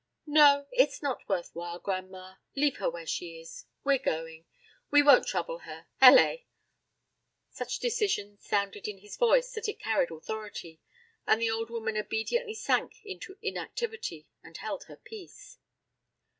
"No, it's not worth while, gran'ma; leave her where she is. We're going. We won't trouble her, allez!" Such decision sounded in his voice that it carried authority, and the old woman obediently sank into inactivity and held her peace.